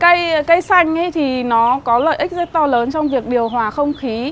cây xanh thì nó có lợi ích rất to lớn trong việc điều hòa không khí